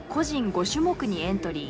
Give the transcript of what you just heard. ５種目にエントリー。